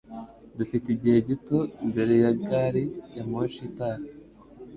Dufite igihe gito mbere ya gari ya moshi itaha.